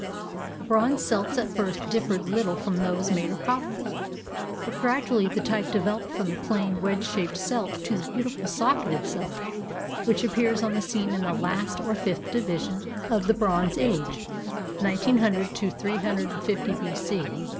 The bronze celts at first differed little from those made of copper, but gradually the type developed from the plain wedge shaped celt to the beautiful socketed celt, which appears on the scene in the last, or fifth, division of the bronze age (900 350 B.C.).